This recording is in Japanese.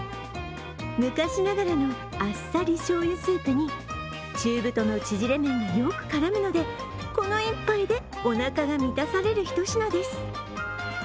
昔ながらのあっさりしょうゆスープに中太の縮れ麺がよく絡むのでこの一杯でおなかが満たされるひと品です。